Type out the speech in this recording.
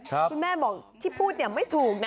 คุณแม่บอกที่พูดไม่ถูกนะ